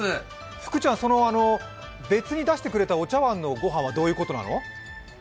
福ちゃん、別に出してくれたお茶わんの御飯はどういうこと？